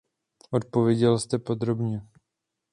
Odpověděl jste podrobně.